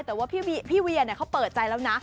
แต่ว่าพี่เวียเขาเปิดใจแล้วนะ